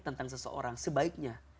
tentang seseorang sebaiknya